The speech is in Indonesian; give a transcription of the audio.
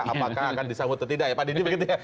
apakah akan disambut atau tidak ya pak didi begitu ya